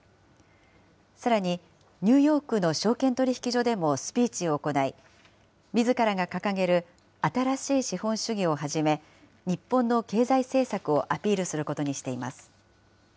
さらに、ニューヨークの証券取引所でもスピーチを行い、みずからが掲げる新しい資本主義をはじめ、日本の経済政策をアピールすることにしています。